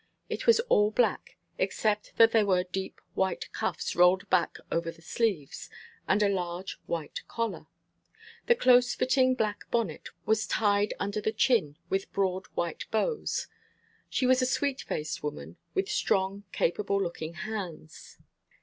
It was all black, except that there were deep, white cuffs rolled back over the sleeves, and a large, white collar. The close fitting black bonnet was tied under the chin with broad white bows. She was a sweet faced woman, with strong, capable looking hands.